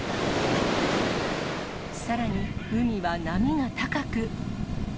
さらに海は波が高く。